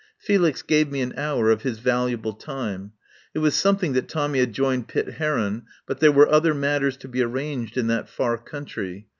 Felix gave me an hour of his valuable time. It was something that Tommy had joined Pitt Heron, but there were other matters to be arranged in that far country.